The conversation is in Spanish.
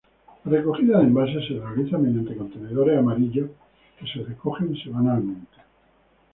La recogida de envases se realiza mediante contenedores amarillos que se recogen semanalmente.